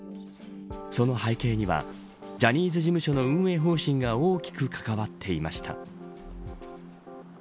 その背景にはジャニーズ事務所の運営方針が大きく関わっていました。